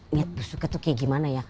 lihat bersuka tuh kayak gimana ya